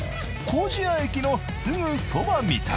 糀谷駅のすぐそばみたい。